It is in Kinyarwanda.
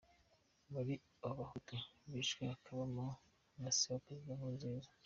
Muri abo bahutu bishwe hakabamo na se wa Perezida Nkurunziza.